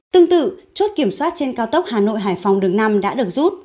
tương tự chốt kiểm soát trên cao tốc hà nội hải phòng đường năm đã được rút